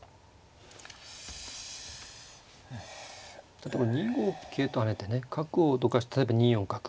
例えば２五桂と跳ねてね角をどかして例えば２四角。